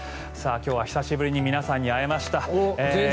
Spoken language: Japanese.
今日は久しぶりに皆さんに会えました。